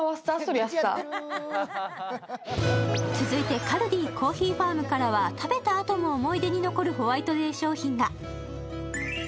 続いてカルディーコーヒーファームからは食べたあとも思い出に残るホワイトデー商品が。